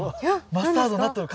マスタードになっとる。